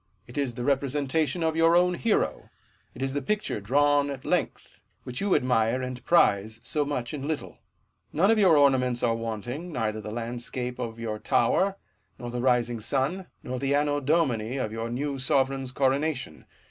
It is the representation of your own hero : it is the picture drawn at length, which you admire and prize so much in little. None of your ornaments are wanting ; neither the landscape of your Tower, nor the rising sun ; nor the Anno Domini of your new sovereign's coronation.